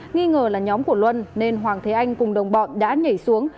nghi ngờ là nhóm của luân nên hoàng thế anh cùng đồng bọn đã nhảy xuống